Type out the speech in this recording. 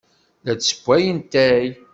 La d-ssewwayen atay.